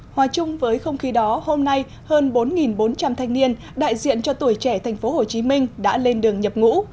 hòa chung với không khí đó hôm nay hơn bốn bốn trăm linh thanh niên đại diện cho tuổi trẻ tp hcm đã lên đường nhập ngũ